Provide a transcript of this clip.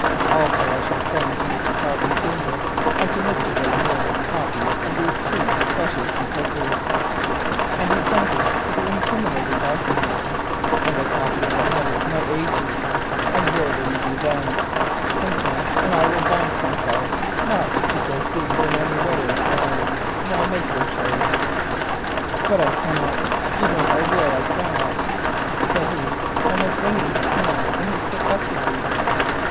Also I shall send to Mr. Cossey, Senior, and to Mr. de la Molle copies of these two precious epistles," and he pointed to the incriminating documents, "together with a copy of the letter to my agents; and where will you be then? Consent, and I will bind myself not to proceed in any way or form. Now, make your choice." "But I cannot; even if I will, I cannot," said he, almost wringing his hands in his perplexity.